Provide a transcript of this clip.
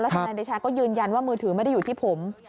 ทนายเดชาก็ยืนยันว่ามือถือไม่ได้อยู่ที่ผม